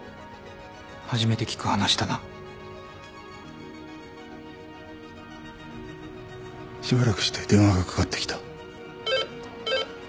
初めて聞く話だな。しばらくして電話がかかってきた。